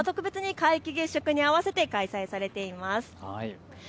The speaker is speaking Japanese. きょうは特別に皆既月食に合わせて開催されています。